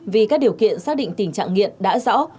vì các điều kiện xác định tình trạng nghiện đã rõ